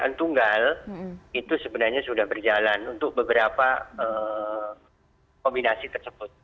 ketentuan tunggal itu sebenarnya sudah berjalan untuk beberapa kombinasi tersebut